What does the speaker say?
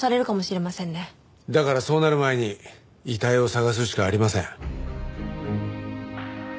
だからそうなる前に遺体を捜すしかありません。